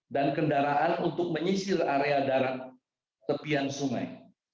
dan kendaraan untuk menyisir area darat tepian sungai